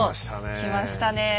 きましたねえ。